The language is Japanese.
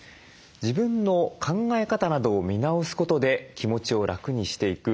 自分の考え方などを見直すことで気持ちを楽にしていく認知行動療法です。